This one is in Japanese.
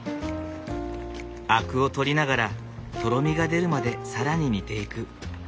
アクを取りながらとろみが出るまで更に煮ていく。